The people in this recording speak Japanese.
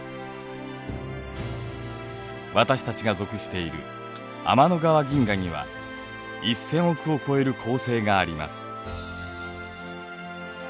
私たちが属している天の川銀河には１，０００億を超える恒星があります。